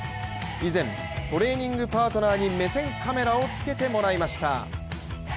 以前、トレーニングパートナーに目線カメラをつけてもらいました。